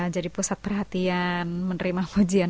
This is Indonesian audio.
jadi pusat perhatian menerima pujian